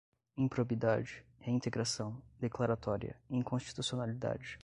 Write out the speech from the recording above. improbidade, reintegração, declaratória, inconstitucionalidade